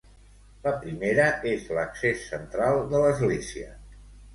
La primera és l'accés central de l'església.